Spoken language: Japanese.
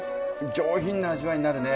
上品な味わいになるね。